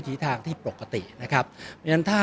ก็ต้องทำอย่างที่บอกว่าช่องคุณวิชากำลังทำอยู่นั่นนะครับ